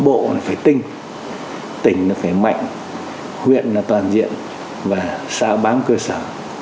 bộ là phải tinh tỉnh là phải mạnh huyện là toàn diện và sao bám cơ sở